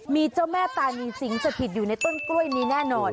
มีเจ้าแม่ตาหนิสิงแบบนี้สะผิดอยู่ในต้นกล้วยแน่นอน